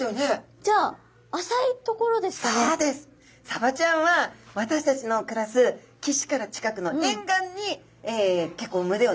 サバちゃんは私たちの暮らす岸から近くの沿岸に結構群れをなしてます。